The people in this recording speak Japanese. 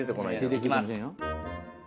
いきます。